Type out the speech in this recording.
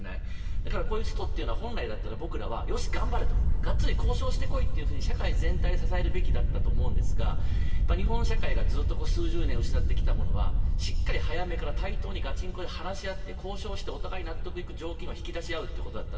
だからストというのは本来なら僕らは頑張れとがっつり交渉して来いと社会全体で支えていくべきだと思うんですが日本社会がずっと数十年失ってきたものはしっかり早めから対等に交渉してお互いに納得する条件を引き出し合うっていうことだった。